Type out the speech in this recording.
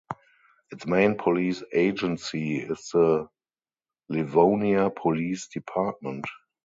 Its main police agency is the Livonia Police Department.